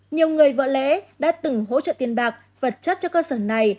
nhiều người vợ lẽ đã từng hỗ trợ tiền bạc vật chất cho cơ sở này